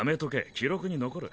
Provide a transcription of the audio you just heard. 記録に残る。